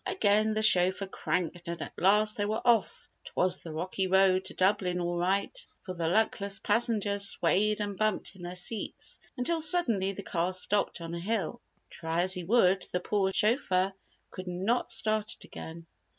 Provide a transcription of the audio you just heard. Again the chauffeur cranked and at last they were off! 'Twas the "rocky road to Dublin" all right, for the luckless passengers swayed and bumped in their seats, until suddenly the car stopped on a hill. Try as he would, the poor chauffeur could not start it again.